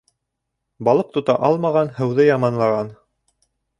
Балыҡ тота алмаған һыуҙы яманлаған.